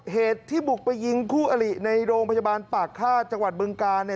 เหตุที่บุกไปยิงคู่อลิในโรงพยาบาลปากฆาตจังหวัดบึงกาล